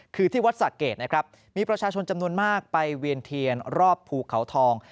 คือที่วัดสะเกดนะครับมีประชาชนจำนวนมากไปเวียนเทียนรอบภูเขาทอง